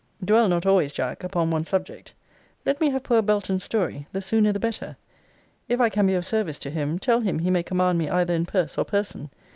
Dwell not always, Jack, upon one subject. Let me have poor Belton's story. The sooner the better. If I can be of service to him, tell him he may command me either in purse or person.